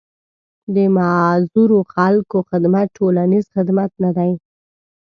د معذورو خلکو خدمت ټولنيز خدمت نه دی.